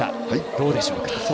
どうでしょうか？